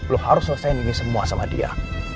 lo harus selesaiin ini semua sama dia